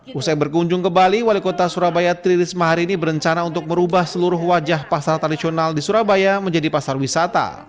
pusat berkunjung ke bali wali kota surabaya tri risma hari ini berencana untuk merubah seluruh wajah pasar tradisional di surabaya menjadi pasar wisata